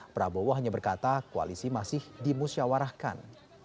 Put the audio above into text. prabowo hanya berkata koalisi masih dimusyawarahkan